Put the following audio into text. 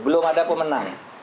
belum ada pemenang